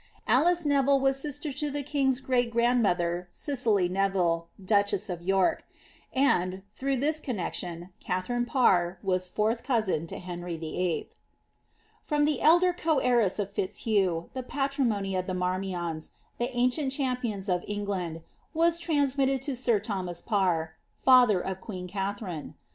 Alice Neville was sister to the king^s great grand mother, Cicely Neville, duchess of York ; and, through this connexion, Katharine Parr was fourth cousin to Henry VIII.* From the elder coheiress of Fitzhugh, the patrimony of the Marmionst the ancient champions of England, was transmitted to sir Thomas PaiTf father of queen Katharine.